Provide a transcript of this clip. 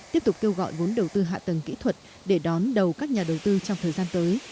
tiếp tục kêu gọi vốn đầu tư hạ tầng kỹ thuật để đón đầu các nhà đầu tư trong thời gian tới